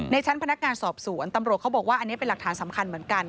ชั้นพนักงานสอบสวนตำรวจเขาบอกว่าอันนี้เป็นหลักฐานสำคัญเหมือนกัน